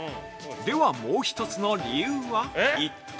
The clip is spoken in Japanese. では、もう一つの理由は一体？